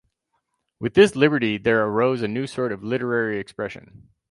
With this liberty there arose a new sort of literary expression.